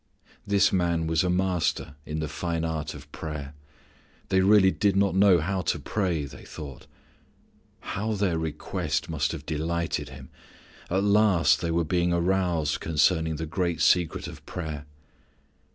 _ This Man was a master in the fine art of prayer. They really did not know how to pray, they thought. How their request must have delighted Him! At last they were being aroused concerning the great secret of power.